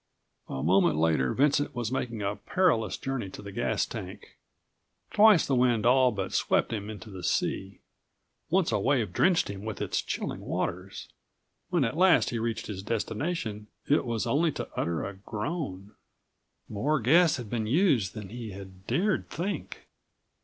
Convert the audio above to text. A moment later Vincent was making a perilous journey to the gas tank. Twice the wind all but swept him into the sea; once a wave drenched him with its chilling waters. When at last he reached his destination it was only to utter a groan; more gas had been used than he had dared think.